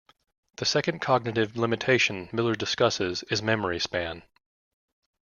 The second cognitive limitation Miller discusses is memory span.